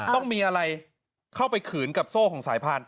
ต้องมีอะไรเข้าไปขืนกับโซ่ของสายพันธุ